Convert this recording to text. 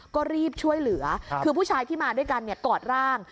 ก็รีบช่วยเหลือคือผู้ชายที่มาด้วยกันกอดร่าง